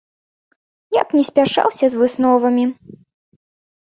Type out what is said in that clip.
Я б не спяшаўся з высновамі.